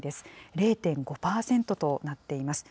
０．５％となっています。